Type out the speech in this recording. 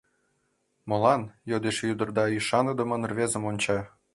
— Молан? — йодеш ӱдыр да ӱшаныдымын рвезым онча.